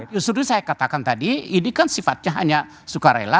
ya sudah saya katakan tadi ini kan sifatnya hanya sukarela